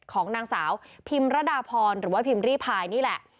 ของนางสาวพิมรดาพรหรือว่าพิมพ์รีพายนี่แหละ